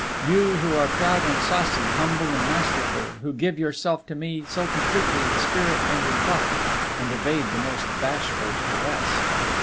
You who are proud and saucy, humble and masterful, who give yourself to me so completely in spirit and in thought, and evade the most bashful caress.